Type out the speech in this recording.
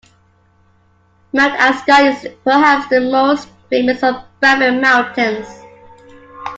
Mount Asgard is perhaps the most famous of the Baffin Mountains.